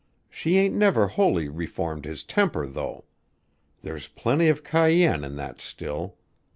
She ain't never wholly reformed his temper, though. There's plenty of cayenne in that still.